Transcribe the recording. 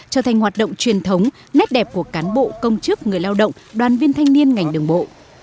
trở thành hoạt động truyền thống nét đẹp của cán bộ công chức người lao động đoàn viên thanh niên ngành đường bộ